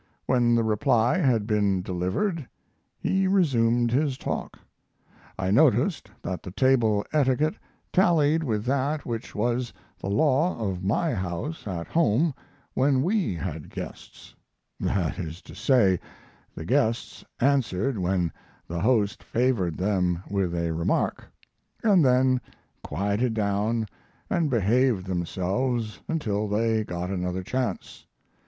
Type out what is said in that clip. When the reply had been delivered he resumed his talk. I noticed that the table etiquette tallied with that which was the law of my house at home when we had guests; that is to say, the guests answered when the host favored them with a remark, and then quieted down and behaved themselves until they got another chance.